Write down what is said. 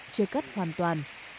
chia cắt hoàn toàn